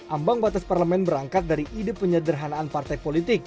ambang batas parlemen berangkat dari ide penyederhanaan partai politik